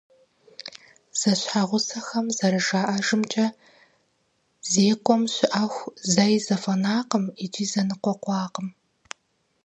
Зэщхьэгъусэхэм зэрыжаӏэжымкӏэ, зекӏуэм щыӏэху зэи зэфӏэнакъым икӏи зэныкъуэкъуакъым.